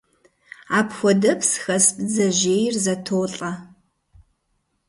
Апхуэдэпс хэс бдзэжьейр зэтолӀэ.